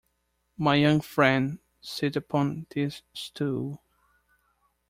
My young friend, sit upon this stool.